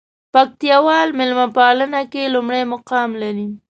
پکتياوال ميلمه پالنه کې لومړى مقام لري.